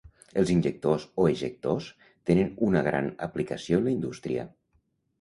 Els injectors o ejectors tenen una gran aplicació en la indústria.